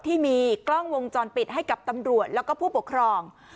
ที่มีกล้องวงจรปิดให้กับตำรวจแล้วก็ผู้ปกครอง